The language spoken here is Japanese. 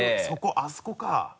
あそこか！